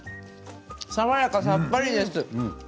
爽やか、さっぱりです。